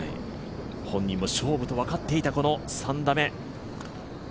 本人も勝負と分かっていた、この３打目。